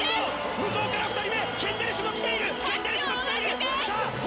向こうから２人目ケンデルシュも来ている。